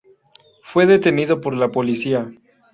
Fue detenido por la policía.